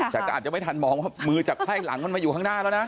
แต่ก็อาจจะไม่ทันมองว่ามือจากไพร่หลังมันมาอยู่ข้างหน้าแล้วนะ